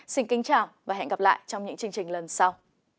xin kính chào và hẹn gặp lại trong những chương trình lần sau